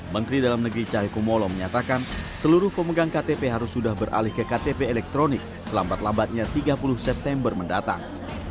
menteri dalam negeri cahaya kumolo menyatakan seluruh pemegang ktp harus sudah beralih ke ktp elektronik selambat lambatnya tiga puluh september mendatang